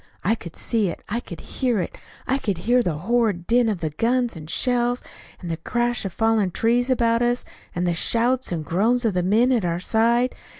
I could see it. I could hear it. I could hear the horrid din of the guns and shells, and the crash of falling trees about us; and the shouts and groans of the men at our side.